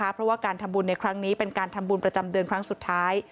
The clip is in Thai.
เพราะว่าการทำบุญในครั้งนี้เป็นการทำบุญประจำเดือนครั้งสุดท้าย